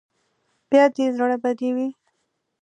بیا دې زړه بدې وي.